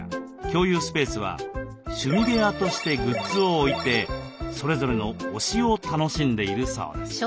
共有スペースは「趣味部屋」としてグッズを置いてそれぞれの「推し」を楽しんでいるそうです。